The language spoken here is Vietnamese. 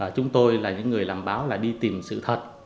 chúng tôi là những người làm báo là đi tìm sự thật